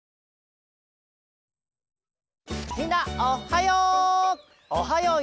みんなおっはよう！